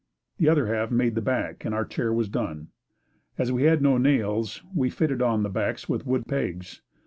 The other half made the back and our chair was done. As we had no nails, we fitted on the backs with wood pegs.